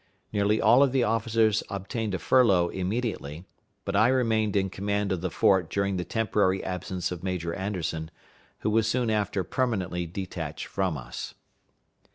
Nearly all of the officers obtained a furlough immediately; but I remained in command of the fort during the temporary absence of Major Anderson, who was soon after permanently detached from us.